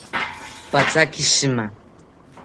Pathaki shima